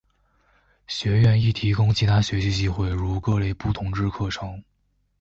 学院亦提供其他学习机会如各类不同之课程。